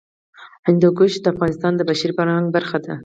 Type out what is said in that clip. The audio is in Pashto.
هندوکش د افغانستان د بشري فرهنګ برخه ده.